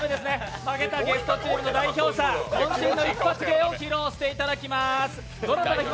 負けたゲストチームの代表者、こん身の一発芸を披露していただきます。